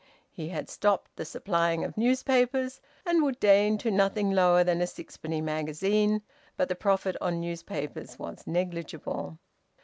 He had stopped the supplying of newspapers, and would deign to nothing lower than a sixpenny magazine; but the profit on newspapers was negligible.